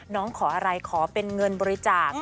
ขออะไรขอเป็นเงินบริจาค